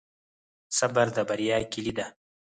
صبر د بریا کیلي ده؟